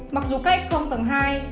mặc dù cách không tầng hai